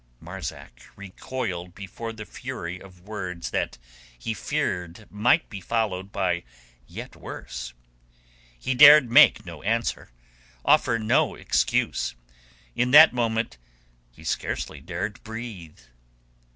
Marzak recoiled before the fury of words that he feared might be followed by yet worse. He dared make no answer, offer no excuse; in that moment he scarcely dared breathe.